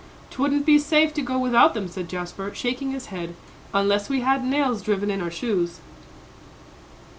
"'Twouldn't be safe to go without them," said Jasper, shaking his head, "unless we had nails driven in our shoes."